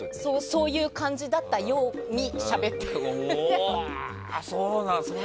そういう感じだったようにしゃべって。